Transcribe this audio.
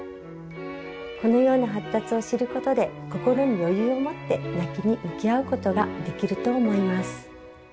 このような発達を知ることで心に余裕を持って泣きに向き合うことができると思います。